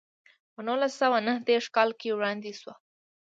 په نولس سوه نهه دېرش کال کې وړاندې شوه.